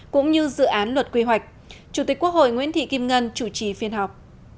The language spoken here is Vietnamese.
cũng như dự án luật quy hoạch chủ tịch quốc hội nguyễn thị kim ngân chủ trì phiên họp